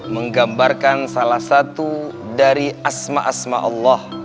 menggambarkan salah satu dari ⁇ asma asma allah